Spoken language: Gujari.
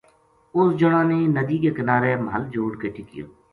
اُس جنا نے ند ی کے کنارے محل جوڑ کے ٹکیو